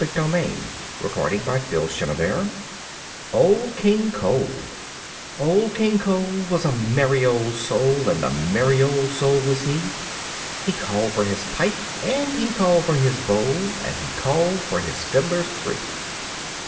[Illustration: Old King Cole] Old King Cole Old King Cole was a merry old soul, And a merry old soul was he; He called for his pipe and he called for his bowl And he called for his fiddlers three.